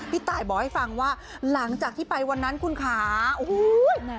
ตายบอกให้ฟังว่าหลังจากที่ไปวันนั้นคุณค่ะโอ้โห